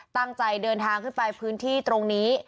ตั้งใจเดินทางขึ้นไปพื้นที่ตรงนี้